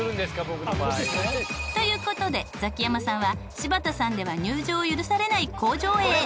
僕の場合」という事でザキヤマさんは柴田さんでは入場を許されない工場へ。